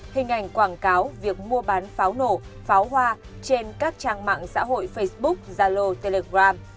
hình ảnh quảng cáo việc mua bán pháo nổ pháo hoa trên các trang mạng xã hội facebook zalo telegram